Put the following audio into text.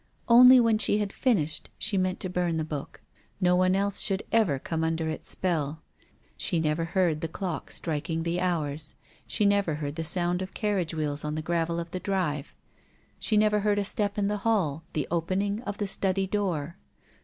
Only when she had finished she meant to burn the book. No one else should ever come under its spell. She never heard the clock strik ing the hours. She never heard the sound of carriage wheels on the gravel of the drive. She never heard a step in the hall, the opening of the study door.